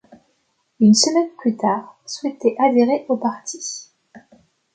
Une semaine plus tard, souhaitaient adhérer au parti.